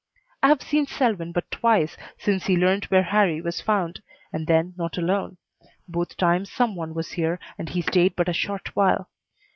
I have seen Selwyn but twice since he learned where Harrie was found, and then not alone. Both times some one was here and he stayed but a short while.